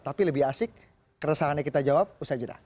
tapi lebih asik keresahannya kita jawab usah jenak